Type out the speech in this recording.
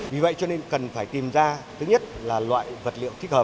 vì vậy cho nên cần phải tìm ra thứ nhất là loại vật liệu thích hợp